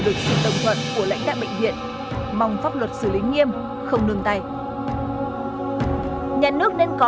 được sự đồng thuận của lãnh đạo bệnh viện mong pháp luật xử lý nghiêm không nương tay nhà nước nên có